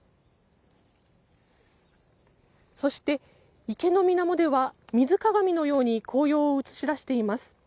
そして、池のみなもでは水鏡のように紅葉を映し出しています。